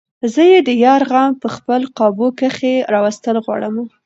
زۀ د يار غم په خپل قابو کښې راوستل غواړمه